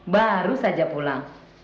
baru saja pulang